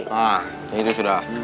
hah kayak gitu sudah